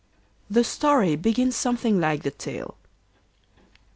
The story begins something like the tale.